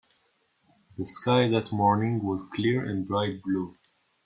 The sky that morning was clear and bright blue.